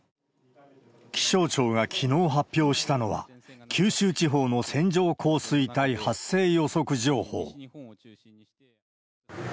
気象庁がきのう発表したのは、九州地方の線状降水帯発生予測情報。